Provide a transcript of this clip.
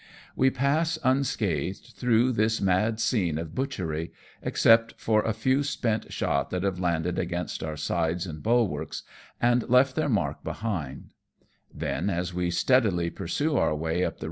"We pass unscathed through this mad scene of butchery, except for a few spent shot that have landed against our sides and bulwarks, and left their mark behind ; then, as we steadily pursue our way up the Q 2 26 AMONG TYPHOONS AND PIRATE CRAFT.